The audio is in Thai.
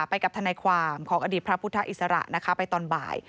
ไปกับทนายความของอดีตพระพุทธอิสระนะคะไปตอนบ่าย